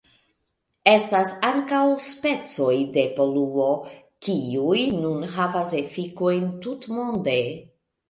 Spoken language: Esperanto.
Estas ankaŭ specoj de poluo, kiuj nun havas efikojn tutmonde.